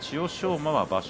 馬は場所